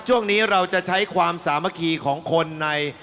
ช่วงนี้เราจะใช้ความสามัคคีของคนใน